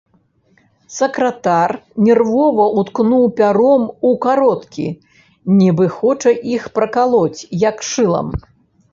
Сакратар нервова ўткнуў пяром у кароткі, нібы хоча іх пракалоць, як шылам.